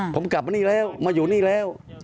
ผมกลับมานี่แล้วมาอยู่นี่แล้ว